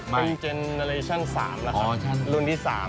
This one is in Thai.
ไม่ครับเป็นรุ่นที่๓แล้วครับ